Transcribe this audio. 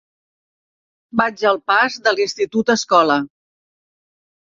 Vaig al pas de l'Institut Escola.